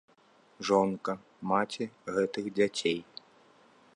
Жонка, маці гэтых дзяцей!